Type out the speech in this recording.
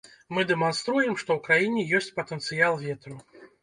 Мы дэманструем, што ў краіне ёсць патэнцыял ветру.